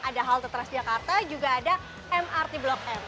ada halte transjakarta juga ada mrt blok m